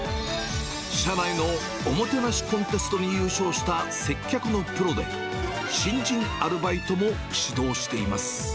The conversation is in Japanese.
社内のおもてなしコンテストに優勝した接客のプロで、新人アルバイトも指導しています。